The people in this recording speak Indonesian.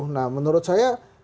nah menurut saya